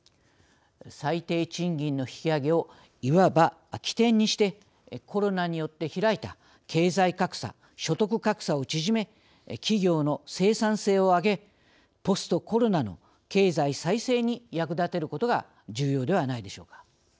最低賃金の引き上げをいわば起点にしてコロナによって開いた経済格差所得格差を縮め企業の生産性を上げポストコロナの経済再生に役立てることが重要ではないでしょうか。